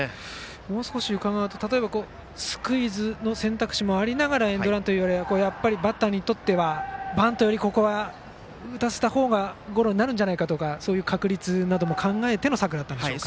もう少し伺うと例えばスクイズの選択肢もありながらエンドランというのでバッターにとってはここはバントより、打たせた方がゴロになるんじゃないかとかそういった確率も含めての策だったんですか。